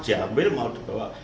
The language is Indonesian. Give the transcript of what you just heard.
dia ambil mau dibawa